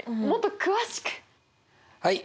はい！